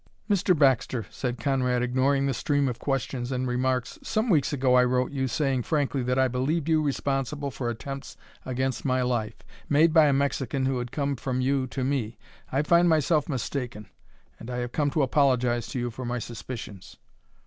"Mr. Baxter," said Conrad, ignoring the stream of questions and remarks, "some weeks ago I wrote you, saying frankly that I believed you responsible for attempts against my life, made by a Mexican who had come from you to me. I find myself mistaken, and I have come to apologize to you for my suspicions."